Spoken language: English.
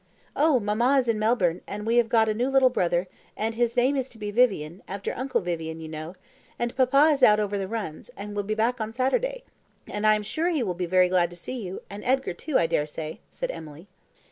"Oh, mamma is in Melbourne, and we have got a new little brother, and his name is to be Vivian, after uncle Vivian, you know; and papa is out over the runs, and will be back on Saturday; and I am sure he will be very glad to see you, and Edgar too, I dare say," said Emily.